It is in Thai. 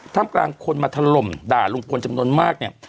ทำกลางคนมาถล่มด่าลุงพลจำนวนมากเนี่ย